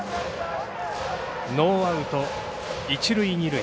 ノーアウト一塁二塁